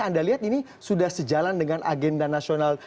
anda lihat ini sudah sejalan dengan agenda nasional